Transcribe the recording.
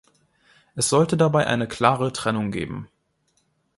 Es sollte dabei eine klare Trennung geben.